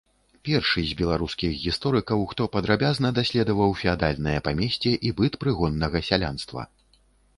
Першы з беларускіх гісторыкаў, хто падрабязна даследаваў феадальнае памесце і быт прыгоннага сялянства.